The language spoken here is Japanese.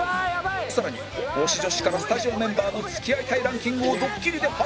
更に推し女子からスタジオメンバーの付き合いたいランキングをドッキリで発表